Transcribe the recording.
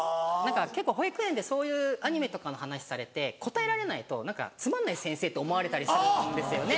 保育園でそういうアニメとかの話されて答えられないとつまんない先生って思われたりするんですよね。